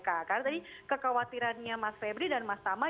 karena tadi kekhawatirannya mas febri dan mas tama